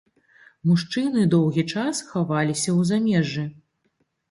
Мужчыны доўгі час хаваліся ў замежжы.